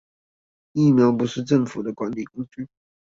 疫苗不是政府的管理工具